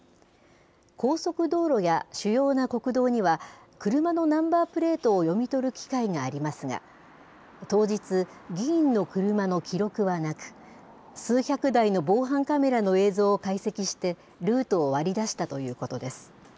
高速道路や主要な国道には、車のナンバープレートを読み取る機械がありますが、当日、議員の車の記録はなく、数百台の防犯カメラの映像を解析して、ルートを割り出したということです。